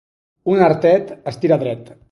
Un artet es tira dret.